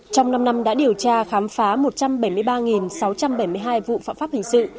trong năm năm đã điều tra khám phá một trăm bảy mươi ba sáu trăm bảy mươi hai vụ phạm pháp hình sự